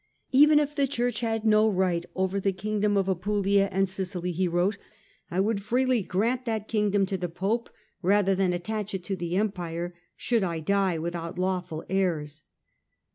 " Even if the Church had no right over the Kingdom of Apulia and Sicily," he wrote, " I would freely grant that Kingdom to the Pope rather than attach it to the Empire, should I die without lawful heirs."